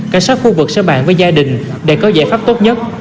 cảnh sát khu vực sẽ bàn với gia đình để có giải pháp tốt nhất